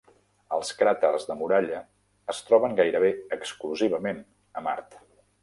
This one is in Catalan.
Els cràters de muralla es troben gairebé exclusivament a Mart.